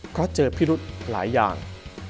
เพราะเจอพิรุธหลายอย่าง